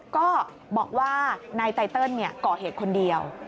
ก็บอกว่านายไตเติลก่อเหตุคนเดียว